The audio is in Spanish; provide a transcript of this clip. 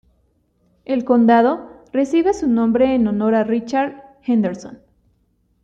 El condado recibe su nombre en honor a Richard Henderson.